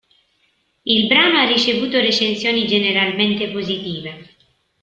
Il brano ha ricevuto recensioni generalmente positive.